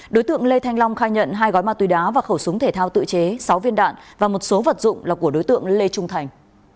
đối tượng lê thanh long khai nhận hai gói ma túy đá và khẩu súng thể thao tự chế sáu viên đạn và một số vật dụng là của đối tượng lê trung thành